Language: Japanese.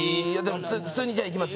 普通にじゃあいきます